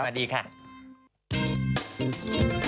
สวัสดีครับ